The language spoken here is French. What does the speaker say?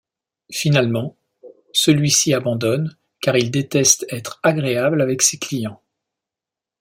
Finalement, celui-ci abandonne car il déteste être agréable avec ses clients.